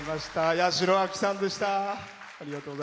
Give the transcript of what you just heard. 八代亜紀さんでした。